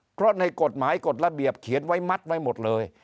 เพราะในกฎหมายกฎระเบียบเขียนไว้มัดไว้หมดเลย